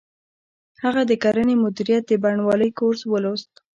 هغه د کرنې مدیریت د بڼوالۍ کورس ولوست